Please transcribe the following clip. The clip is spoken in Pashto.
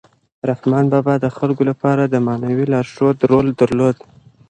رحمان بابا د خلکو لپاره د معنوي لارښود رول درلود.